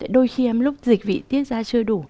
đôi khi lúc dịch vị tiết ra chưa đủ